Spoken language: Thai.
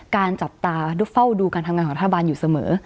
จับตาเฝ้าดูการทำงานของรัฐบาลอยู่เสมอ